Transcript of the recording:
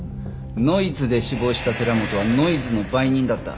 ノイズで死亡した寺本はノイズの売人だった。